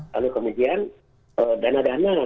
lalu kemudian dana dana